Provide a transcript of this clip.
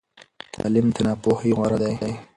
تعلیم تر ناپوهۍ غوره دی.